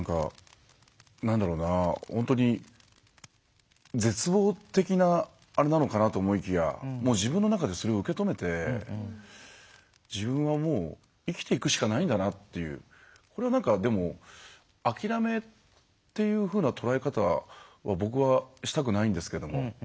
本当に絶望的なあれなのかなと思いきや自分の中でそれを受け止めて自分はもう生きていくしかないんだなっていうこれはなんかでも諦めっていうふうな捉え方を僕はしたくないんですけど。